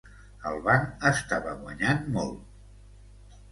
El banc estava guanyant molt.